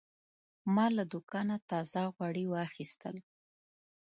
ما له دوکانه تازه غوړي واخیستل.